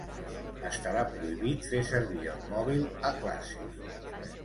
Estarà prohibit fer servir el mòbil a classe.